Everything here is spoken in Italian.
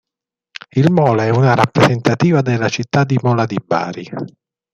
Il Mola è una rappresentativa della città di Mola di Bari.